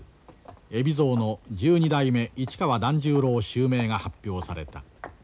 海老蔵の十二代目市川團十郎襲名が発表された。